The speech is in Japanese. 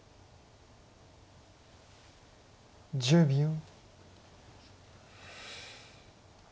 １０秒。